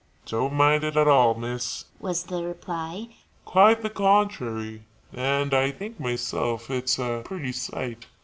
"Don't mind it at all, miss," was the reply "quite the contrary; and I think, myself, it's a pretty sight.